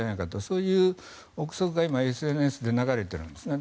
そういう憶測がＳＮＳで流れてるんですね。